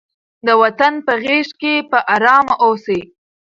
د وطن په غېږ کې په ارامه اوسئ.